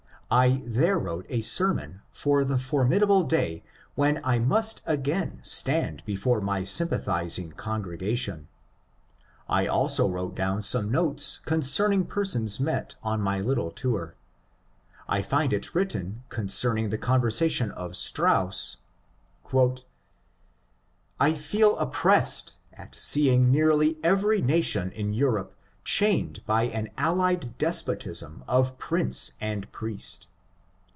I there wrote a sermon for the formidable day when I mast again stand before my sympa> thizing congregation. I also wrote down some notes concern ing persons met on my little tour. I find it written concerning the conversation of Strauss :— He felt oppressed at seeing nearly every nation in Europe chained by an allied despotism of prince and priest.